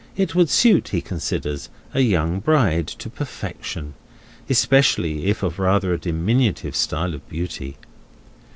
It would suit (he considers) a young bride, to perfection; especially if of a rather diminutive style of beauty.